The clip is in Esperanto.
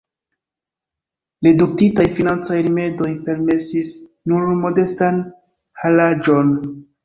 Reduktitaj financaj rimedoj permesis nur modestan halaĵon.